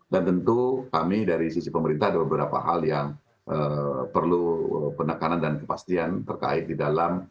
dan tentu kami dari sisi pemerintah ada beberapa hal yang perlu penekanan dan kepastian terkait di dalam